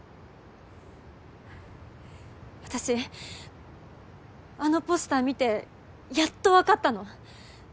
私あのポスター見てやっと分かったの。